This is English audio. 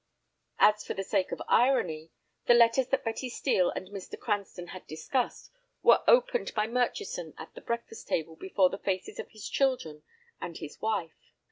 As for the sake of irony, the letters that Betty Steel and Mr. Cranston had discussed, were opened by Murchison at the breakfast table before the faces of his children and his wife.